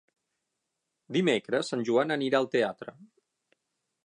Dimecres en Joan anirà al teatre.